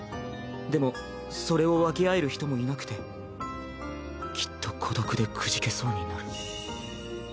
でもそれを分け合える人もいなくてきっと孤独でくじけそうになる。